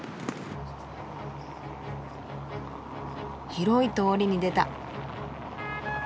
広い通りに出た。